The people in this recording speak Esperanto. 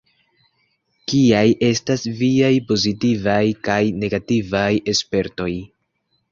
Kiaj estas viaj pozitivaj kaj negativaj spertoj?